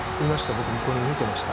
僕これ見てました。